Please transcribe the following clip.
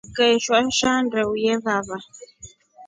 Ukeeshwa nshaa ndeu yevava.